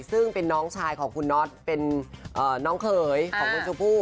ซึ่งเป็นน้องชายของคุณน็อตเป็นน้องเขยของคุณชมพู่